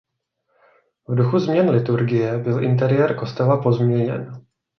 V duchu změn liturgie byl interiér kostela pozměněn.